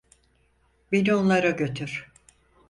Beni onlara götür.